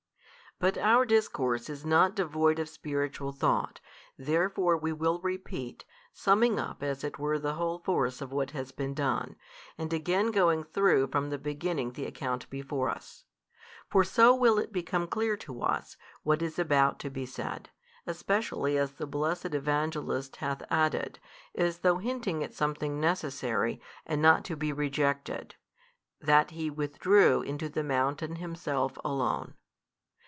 But our discourse is not devoid of spiritual thought, therefore we will repeat, summing up as it were the whole force of what has been done, and again going through from the beginning the account before us. For so will it become clear to us what is about to be said, specially as the blessed Evangelist hath added, as though hinting at something necessary and not to be rejected, that He withdrew into the mountain Himself Alone.